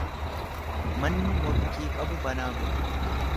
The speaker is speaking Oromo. Manni morkii qabu banaa bula.